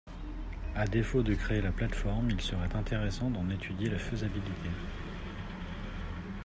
À défaut de créer la plateforme, il serait intéressant d’en étudier la faisabilité.